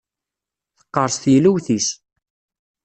Teqqeṛṣ teylewt-is.